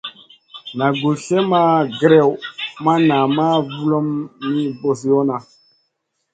Naʼ gus slèʼ ma grewn ma naʼ ma vulum mi ɓosionna.